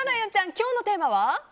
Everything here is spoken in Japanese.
今日のテーマは？